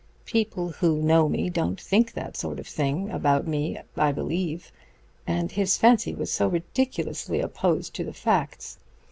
People who know me don't think that sort of thing about me, I believe. And his fancy was so ridiculously opposed to the facts.